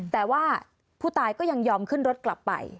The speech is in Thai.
แต่ว่าผู้ตายก็ยังยอมขึ้นรถกลับไป